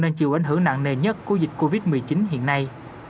đang chịu ảnh hưởng nặng nề nhất của dịch covid một mươi chín hiện nay